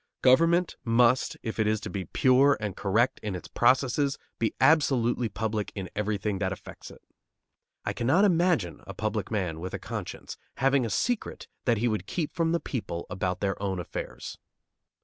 Government must, if it is to be pure and correct in its processes, be absolutely public in everything that affects it. I cannot imagine a public man with a conscience having a secret that he would keep from the people about their own affairs.